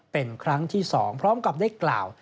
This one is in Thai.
เป็นครั้งที่๒พร้อมกับได้กล่าว